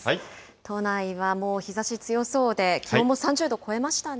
都内はもう、日ざし強そうで、気温も３０度超えましたね。